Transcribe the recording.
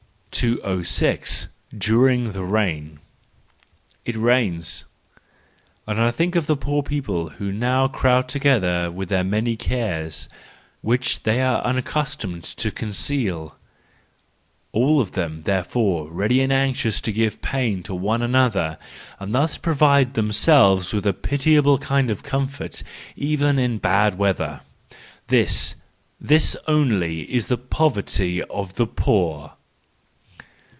THE JOYFUL WISDOM, III 197 206. During the Rain .—It rains, and I think of the poor people who now crowd together with their many cares, which they are unaccustomed to con¬ ceal ; all of them, therefore, ready and anxious to give pain to one another, and thus provide them¬ selves with a pitiable kind of comfort, even in bad weather. This, this only, is the poverty of the poor!